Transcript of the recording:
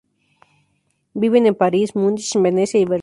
Viven en París, Múnich, Venecia y Berlín.